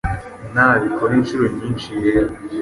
Nabikora inshuro nyinshi, yego